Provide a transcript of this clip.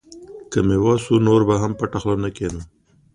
که مې وس و، نور به هم پټه خوله نه کښېنم.